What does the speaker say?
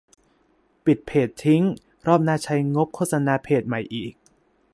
ปิดเพจทิ้ง รอบหน้าใช้งบโฆษณาเพจใหม่อีก ?